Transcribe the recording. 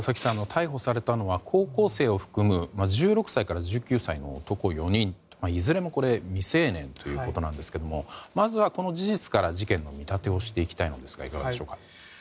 逮捕されたのは高校生を含む１６歳から１９歳の男４人といずれも未成年ということですがまずは、事実から事件の見立てをしていきたいのですがいかがでしょうか。